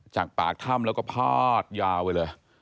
จากปากถ้ำแล้วก็พาดยาวไปเลย